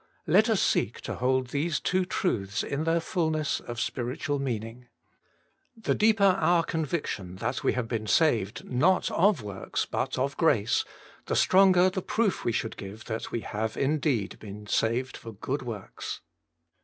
Let us seek to hold these two truths in their fulness of spiritual meaning. The deeper our conviction that we have been saved, not of works, but of grace, the 51 52 Working for God stronger the proof we should give that we have indeed been saved for good works.